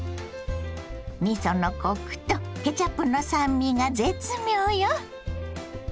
みそのコクとケチャップの酸味が絶妙よ。